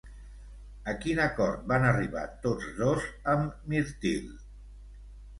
A quin acord van arribar tots dos amb Mirtil?